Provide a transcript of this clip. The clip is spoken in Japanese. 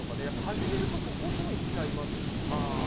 始めるととことんいっちゃいますね。